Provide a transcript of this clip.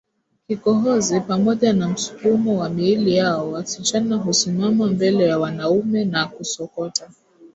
kikohozi pamoja na msukumo wa miili yao Wasichana husimama mbele ya wanaume na kusokota